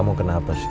yang tentara se owod